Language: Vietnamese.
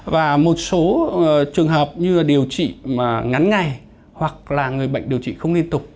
và một số trường hợp như điều trị ngắn ngày hoặc là người bệnh điều trị không liên tục